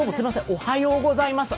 おはようございます